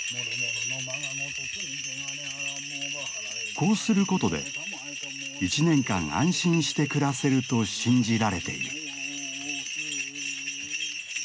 こうすることで１年間安心して暮らせると信じられている。